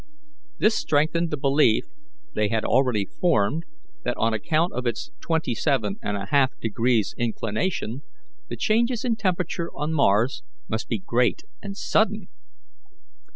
This strengthened the belief they had already formed, that on account of its twenty seven and a half degrees inclination the changes in temperature on Mars must be great and sudden.